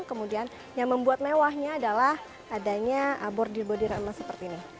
kemudian yang membuat mewahnya adalah adanya bordir bordir emas seperti ini